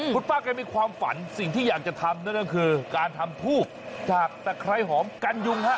คุณป้าแกมีความฝันสิ่งที่อยากจะทำนั่นก็คือการทำทูบจากตะไคร้หอมกันยุงฮะ